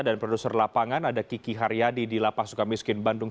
dan produser lapangan ada kiki hariadi di la pasuka miskin bandung